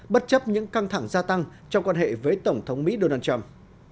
bất chấp những căng thẳng gia tăng trong quan hệ với tổng thống mỹ donald trump